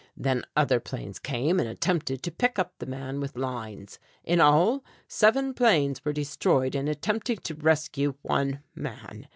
Then other planes came and attempted to pick up the man with lines. In all seven planes were destroyed in attempting to rescue one man.